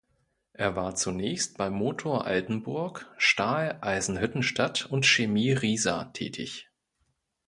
Er war zunächst bei Motor Altenburg, Stahl Eisenhüttenstadt und Chemie Riesa tätig.